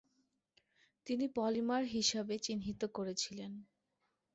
তিনি পলিমার হিসাবে চিহ্নিত করেছিলেন।